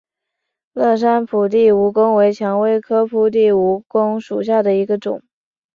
乐山铺地蜈蚣为蔷薇科铺地蜈蚣属下的一个种。